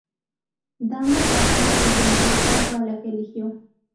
Dando paso a la pregunta de cuál fue a la que eligió.